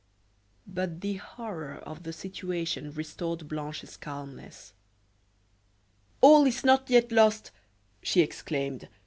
But the horror of the situation restored Blanche's calmness. "All is not yet lost," she exclaimed.